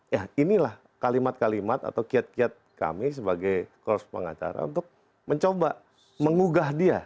ya inilah kalimat kalimat atau kiat kiat kami sebagai korps pengacara untuk mencoba mengugah dia